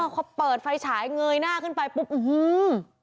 พอเปิดไฟฉายเงยหน้าขึ้นไปปุ๊บอื้อหือ